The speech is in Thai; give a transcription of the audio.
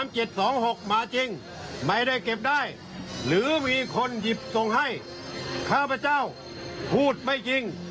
มาจริงไม่ได้เก็บได้หรือมีคนหยิบส่งให้ข้าพเจ้าพูดไม่จริง